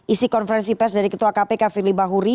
isi konferensi pers dari ketua kpk firly bahuri